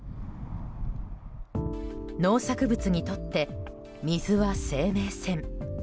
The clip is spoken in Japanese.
農作物にとって、水は生命線。